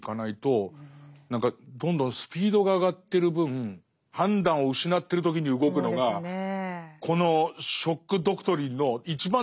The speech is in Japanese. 何かどんどんスピードが上がってる分判断を失ってる時に動くのがこの「ショック・ドクトリン」の一番得意とするところならば。